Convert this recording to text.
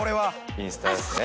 インスタですね。